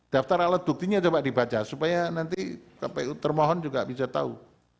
daftar alat buktinya coba dibaca supaya nanti kpu termohon juga bisa tahu